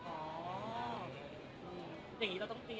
ของพี่ป๊อกไม่มี